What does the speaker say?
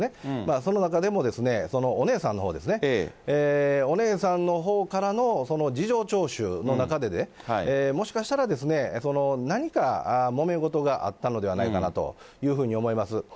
その中でも、お姉さんのほうですね、お姉さんのほうからのその事情聴取の中で、もしかしたら、何か、もめ事があったのではないかなというふうに思います。